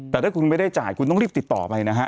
แต่ถ้าคุณไม่ได้จ่ายคุณต้องรีบติดต่อไปนะฮะ